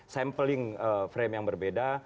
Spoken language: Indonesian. sampling frame yang berbeda